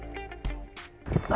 ah salah satu